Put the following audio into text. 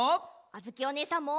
あづきおねえさんも！